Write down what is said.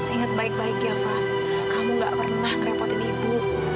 ingat baik baik ya fah kamu gak pernah ngerepotin ibu